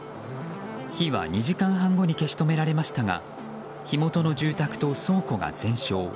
火は２時間半後に消し止められましたが火元の住宅と倉庫が全焼。